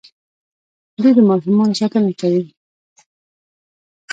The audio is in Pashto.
دوی د ماشومانو ساتنه کوي.